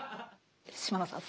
島野さん